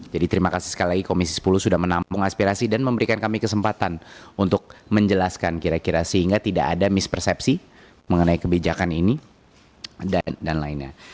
jadi terima kasih sekali lagi komisi sepuluh sudah menampung aspirasi dan memberikan kami kesempatan untuk menjelaskan kira kira sehingga tidak ada mispersepsi mengenai kebijakan ini dan lainnya